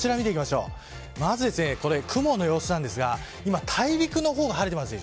まず雲の様子なんですが今大陸の方が晴れています。